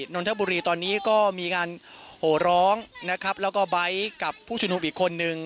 นนทบุรีตอนนี้ก็มีการโหร้องนะครับแล้วก็ไบท์กับผู้ชุมนุมอีกคนนึง